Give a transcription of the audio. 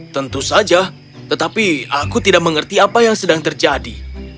tentu saja tetapi aku tidak mengerti apa yang sedang terjadi